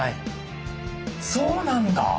そうなんだ。